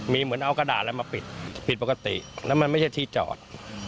มีเหมือนเอากระดาษอะไรมาปิดผิดปกติแล้วมันไม่ใช่ที่จอด